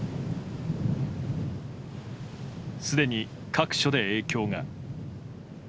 すでに各所で影響が。